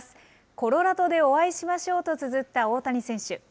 コロラドでお会いしましょうとつづった大谷選手。